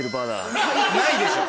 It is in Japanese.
ないでしょ。